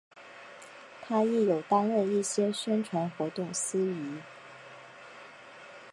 她亦有担任一些宣传活动司仪。